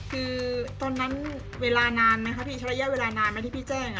คือตอนนั้นเวลานานไหมคะพี่ใช้ระยะเวลานานไหมที่พี่แจ้ง